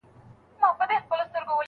نن جهاني بل غزل ستا په نامه ولیکل